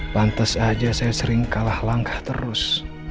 pantes aja saya sering kalah langkah terus